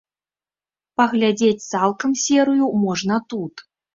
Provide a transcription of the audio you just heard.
Паглядзець цалкам серыю можна тут.